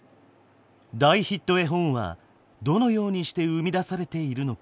絵本はどのようにして生み出されているのか？